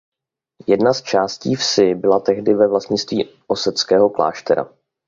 Jedna z částí vsi byla tehdy ve vlastnictví oseckého kláštera.